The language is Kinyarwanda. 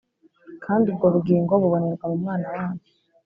kandi ubwo ubugingo bubonerwa mu Mwana wayo